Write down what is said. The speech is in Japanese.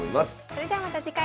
それではまた次回。